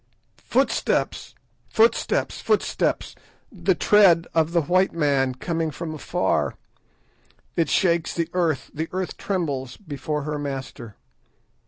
"Footsteps! footsteps! footsteps! the tread of the white man coming from afar. It shakes the earth; the earth trembles before her master.